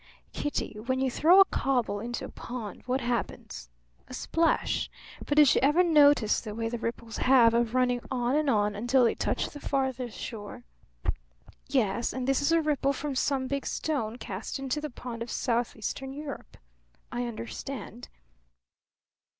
"Kitty, when you throw a cobble into a pond, what happens? A splash. But did you ever notice the way the ripples have of running on and on, until they touch the farthest shore?" "Yes. And this is a ripple from some big stone cast into the pond of southeastern Europe. I understand."